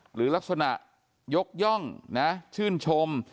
หรือลักษณะยกย่องนะชื่นชม